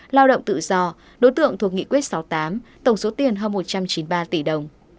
lao động tự do đối tượng thuộc nghị quyết sáu mươi tám tổng số tiền hơn một trăm chín mươi ba tỷ đồng